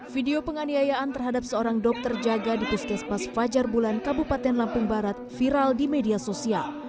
video penganiayaan terhadap seorang dokter jaga di puskesmas fajar bulan kabupaten lampung barat viral di media sosial